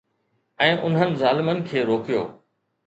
۽ انهن ظالمن کي روڪيو